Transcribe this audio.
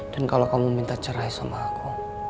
dan kalau kamu minta cerai sama aku